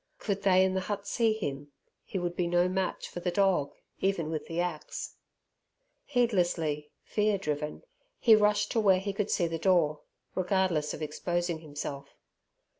Could they in the hut see him, he would be no match for the dog even with the axe. Heedlessly, fear driven, he rushed to where he could see the door, regardless of exposing himself.